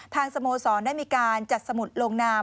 สโมสรได้มีการจัดสมุดลงนาม